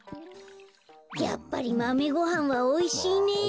やっぱりマメごはんはおいしいねえ。